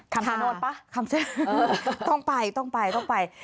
คำชะโนธปะคำชะโนธต้องไป